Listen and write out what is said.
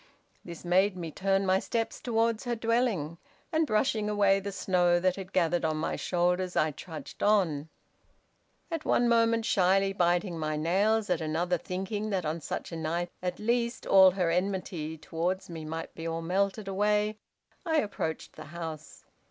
This made me turn my steps towards her dwelling, and brushing away the snow that had gathered on my shoulders I trudged on: at one moment shyly biting my nails, at another thinking that on such a night at least all her enmity towards me might be all melted away. I approached the house.